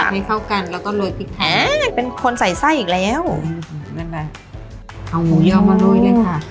ไม่เข้ากันแล้วก็โรยพริกแท้เป็นคนใส่ไส้อีกแล้วเอาหมูเยาะมาด้วยเลยค่ะ